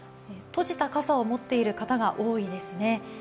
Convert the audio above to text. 閉じた傘を持っている方が多いですね。